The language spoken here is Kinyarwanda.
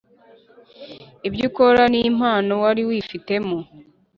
ibyo ukora n’impano wari wifitemo